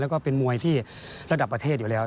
แล้วก็เป็นมวยที่ระดับประเทศอยู่แล้ว